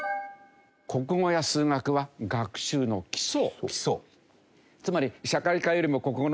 国語や数学は学習の基礎。